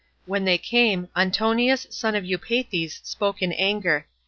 When they came, Antinous son of Eupeithes spoke in anger.